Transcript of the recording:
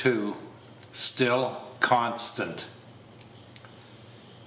STILL CONSTANT.